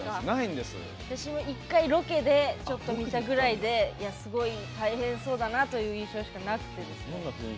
私も１回ロケでちょっと見たぐらいで大変そうだなという印象しかなくて。